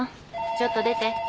ちょっと出て。